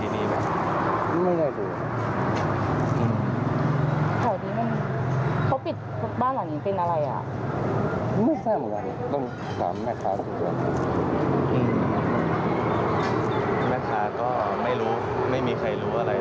ไม่ใช่คนไทย